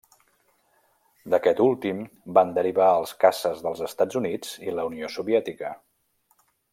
D'aquest últim van derivar els caces dels Estats Units i La Unió Soviètica.